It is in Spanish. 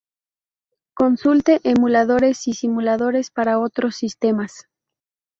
Consulte Emuladores y Simuladores para otros sistemas.